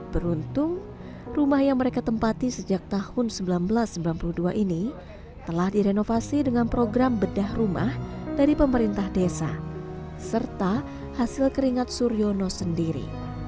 beruntung rumah yang mereka tempati sejak tahun seribu sembilan ratus sembilan puluh dua ini telah direnovasi dengan program bedah rumah dari pemerintah desa serta hasil keringat suryono sendiri